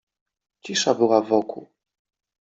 Cisza była wokół.